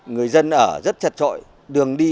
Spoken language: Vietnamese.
người dân ở rất chặt trội đường đi